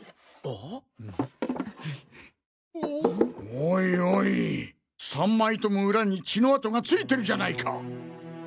おいおい３枚ともウラに血の跡が付いてるじゃないか！